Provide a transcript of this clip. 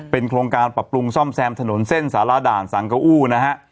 โครงการปรับปรุงซ่อมแซมถนนเส้นสารด่านสังกะอู้นะฮะ